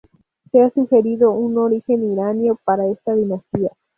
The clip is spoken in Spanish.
Se ha sugerido un origen iranio para esta dinastía.